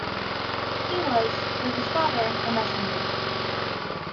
He was, like his father, a messenger.